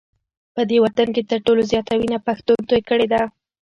په دې وطن کي تر ټولو زیاته وینه پښتون توی کړې ده